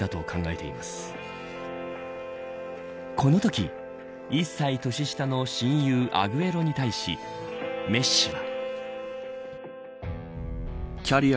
このとき１歳年下の親友アグエロに対しメッシは。